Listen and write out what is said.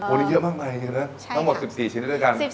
นี่เยอะมากมายเชียวนะทั้งหมด๑๔ชนิดด้วยกัน